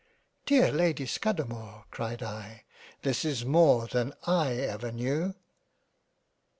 " Dear Lady Scudamore cried I, This is more than I ever knew